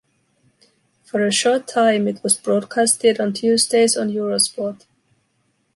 For a short time, it was broadcasted on Tuesdays on Eurosport.